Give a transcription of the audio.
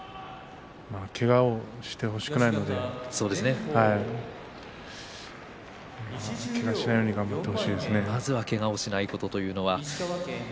けがをしてほしくないのでけがをしないようにまずはけがをしないこと。